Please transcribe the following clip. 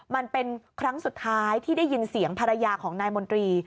มันเป็นครั้งสุดท้ายที่ได้ยินเสียงภรรยาของนายมนตรี